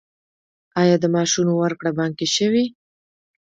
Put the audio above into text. آیا د معاشونو ورکړه بانکي شوې؟